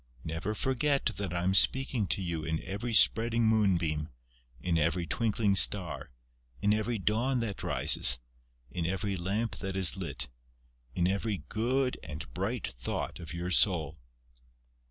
Never forget that I am speaking to you in every spreading moonbeam, in every twinkling star, in every dawn that rises, in every lamp that is lit, in every good and bright thought of your soul...."